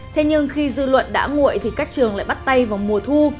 thế nhưng khi dư luận đã nguội thì các trường lại bắt tay vào mùa thu